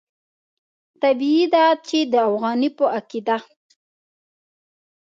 طبیعي ده چې د افغاني په عقیده.